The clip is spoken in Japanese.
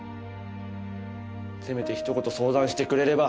せめてひと言相談してくれれば。